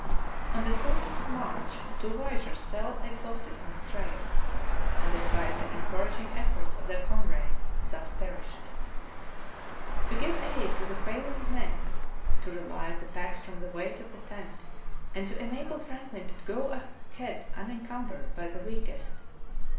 On the third march two voyageurs fell exhausted on the trail, and despite the encouraging efforts of their comrades thus perished. To give aid to the failing men, to relieve the packs from the weight of the tent, and to enable Franklin to go ahead unencum bered by the weakest.